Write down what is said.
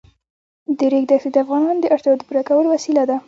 د ریګ دښتې د افغانانو د اړتیاوو د پوره کولو وسیله ده.